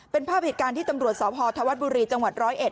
เป็นภาพเหตุการณ์ที่ตำรวจสอบภธวรรษบุรีจังหวัด๑๐๑